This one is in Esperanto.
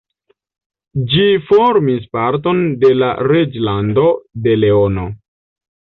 Ĝi formis parton de la Reĝlando de Leono.